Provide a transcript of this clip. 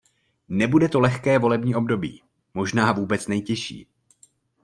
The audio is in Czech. Nebude to lehké volební období - možná vůbec nejtěžší.